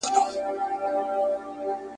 که موږ يو سو، نو هيڅوک مو نسي ماتولای.